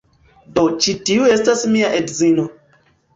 Do, ĉi tiu estas mia edzino.